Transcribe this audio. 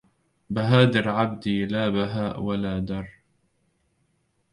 بهادر عبدي لا بهاء ولا در